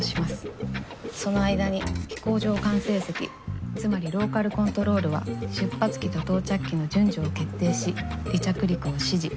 その間に飛行場管制席つまりローカル・コントロールは出発機と到着機の順序を決定し離着陸を指示。